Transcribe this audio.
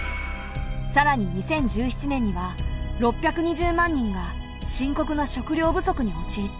さらに２０１７年には６２０万人が深刻な食糧不足におちいった。